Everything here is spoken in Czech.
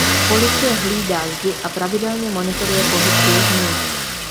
Policie hlídá zdi a pravidelně monitoruje pohyb vězňů.